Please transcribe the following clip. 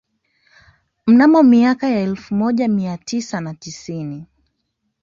Mnamo miaka ya elfu moja mia tisa na sitini